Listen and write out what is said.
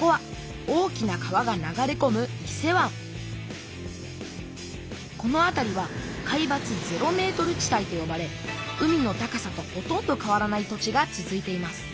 ここは大きな川が流れこむこの辺りは海抜０ｍ地帯とよばれ海の高さとほとんど変わらない土地が続いています。